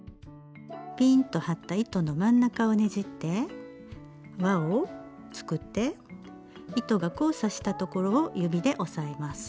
ピーンと張った糸の真ん中をねじって輪を作って糸が交差したところを指で押さえます。